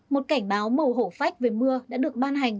một cảnh báo màu hổ phách về mưa đã được ban hành